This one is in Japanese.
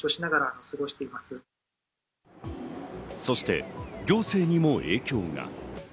そして行政にも影響が。